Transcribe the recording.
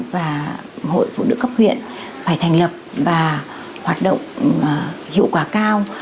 và hội phụ nữ cấp huyện phải thành lập và hoạt động hiệu quả cao